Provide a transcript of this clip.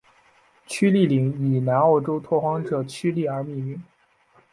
屈利岭以南澳州拓荒者屈利而命名。